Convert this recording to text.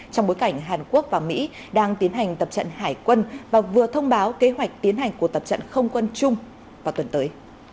trong bối cảnh hàn quốc và mỹ đang tiến hành tập trận hải quân và vừa thông báo kế hoạch tiến hành cuộc tập trận không quân chung vào tuần tới